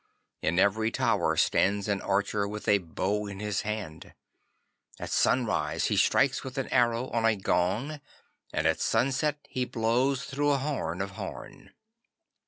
In every tower stands an archer with a bow in his hand. At sunrise he strikes with an arrow on a gong, and at sunset he blows through a horn of horn.